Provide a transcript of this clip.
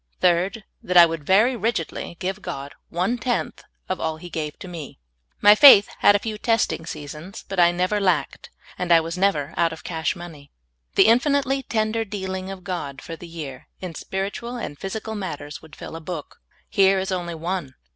Third, that I would very rigidly give God one tenth of all He gave to me. My faith had a few testing seasons, but I never lacked, and I was never out of cash mone3^ The infinitel}^ tender deal ings of God for the 3'ear, in spiritual and physical matters, would fill a book. Here is only one.